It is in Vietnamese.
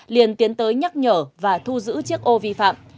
liền tiến tới nhắc nhở và thu giữ chiếc ô vi phạm